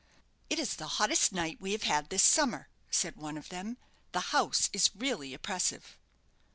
"It is the hottest night we have had this summer," said one of them. "The house is really oppressive."